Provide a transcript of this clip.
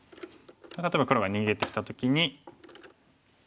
例えば黒が逃げてきた時に。